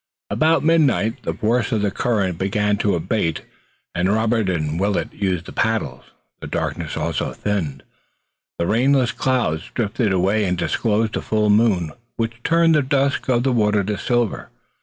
About midnight the force of the current began to abate and Robert and Willet used the paddles. The darkness also thinned. The rainless clouds drifted away and disclosed a full moon, which turned the dusk of the water to silver.